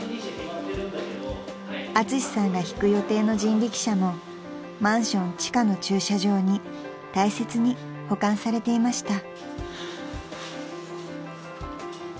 ［アツシさんが引く予定の人力車もマンション地下の駐車場に大切に保管されていました］